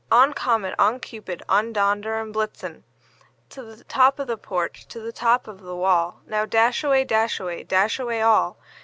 On! Comet, on! Cupid, on! Dunder and Blitzen To the top of the porch, to the top of the wall! Now, dash away, dash away, dash away all!"